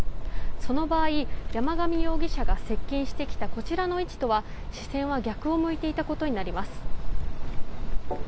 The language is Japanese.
その場合山上容疑者が接近してきたこちらの位置とは、視線は逆を向いていたことになります。